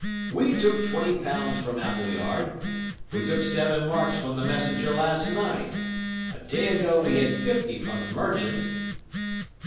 "We took twenty pounds from Appleyard. We took seven marks from the messenger last night. A day ago we had fifty from the merchant."